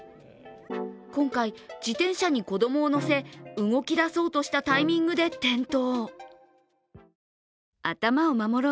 今回、自転車に子供を乗せ動き出そうとしたタイミングで転倒。